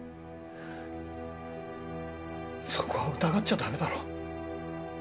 そこは疑っちゃダメだろ。